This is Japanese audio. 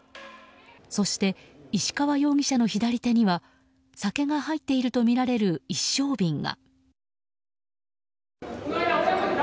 そして、石川容疑者の左手には酒が入っているとみられる一升瓶が。